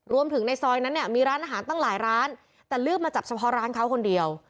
ในซอยนั้นเนี่ยมีร้านอาหารตั้งหลายร้านแต่เลือกมาจับเฉพาะร้านเขาคนเดียว